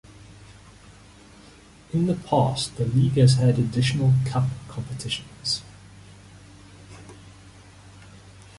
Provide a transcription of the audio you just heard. In the past the league has had additional cup competitions.